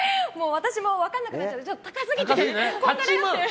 私も分からなくなっちゃって高すぎて、こんがらがって。